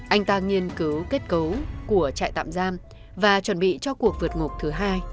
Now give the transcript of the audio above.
anh ta nghiên cứu kết cấu của trại tạm giam và chuẩn bị cho cuộc vượt ngục thứ hai